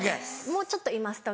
もうちょっといます東京に。